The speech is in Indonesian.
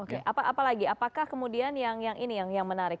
oke apalagi apakah kemudian yang ini yang menarik